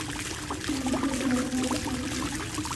এটা এসে দেখে যা।